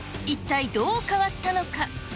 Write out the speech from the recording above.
一体どう変わったのか。